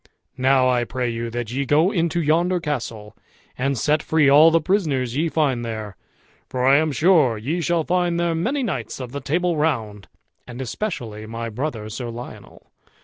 Now I pray you, that ye go into yonder castle, and set free all the prisoners ye find there, for I am sure ye shall find there many knights of the Table Round, and especially my brother Sir Lionel.